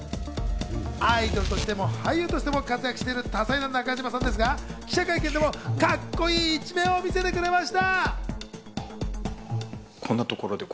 アイドルとしても俳優としても活躍している多彩な中島さんですが、記者会見でもカッコいい一面を見せてくれました。